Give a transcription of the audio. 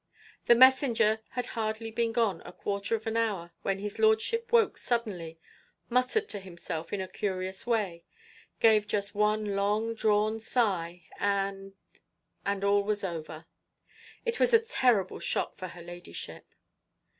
The messenger had hardly been gone a quarter of an hour when his lordship woke suddenly, muttered to himself in a curious way, gave just one long drawn sigh, and and all was over. It was a terrible shock for her ladyship.'